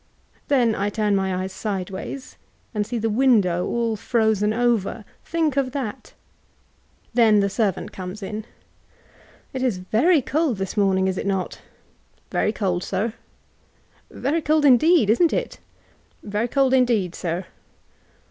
Then I turn my eyes sidewAys and see the window all fitieen over. Think of that. Then the servant oomes in. '* It is very cold this momii^, is it not?— *^ Very coW, Sir.*'— "Veiy cold indeed, isn*t^ it?"— " Very cold indeed. Sir."